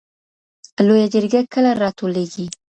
لویه جرګه کله راټولیږي؟